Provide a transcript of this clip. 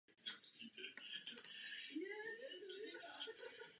Proto jsme vypracovali alternativní usnesení, o němž krátce pohovořím.